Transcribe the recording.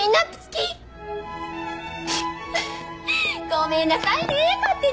ごめんなさいね勝手に。